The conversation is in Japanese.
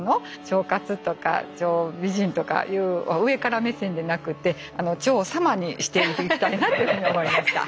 腸活とか腸美人とかいう上から目線でなくて「腸さま」にしていきたいなというふうに思いました。